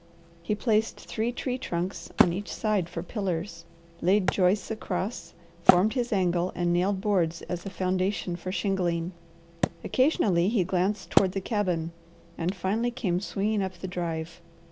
He placed three tree trunks on each side for pillars, laid joists across, formed his angle, and nailed boards as a foundation for shingling. Occasionally he glanced toward the cabin, and finally came swinging up the drive.